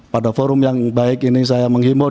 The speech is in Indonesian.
pada forum yang baik ini saya menghimbau